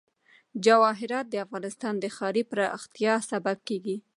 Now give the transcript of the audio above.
جواهرات د افغانستان د ښاري پراختیا سبب کېږي.